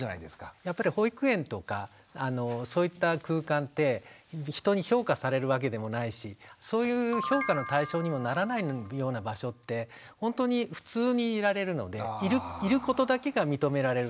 やっぱり保育園とかそういった空間って人に評価されるわけでもないしそういう評価の対象にもならないような場所ってほんとに普通にいられるのでいることだけが認められるっていうんですかね。